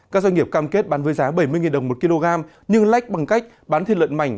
các doanh nghiệp cam kết bán với giá bảy mươi đồng một kg nhưng lách bằng cách bán thịt lợn mảnh